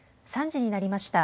３時になりました。